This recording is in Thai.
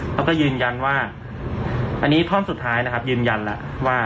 เขาก็ยืนยันว่าอันนี้ท่อนสุดท้ายนะครับยืนยันแล้วว่า